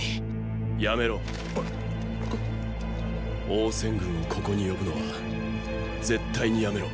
王翦軍をここに呼ぶのは絶対にやめろ。。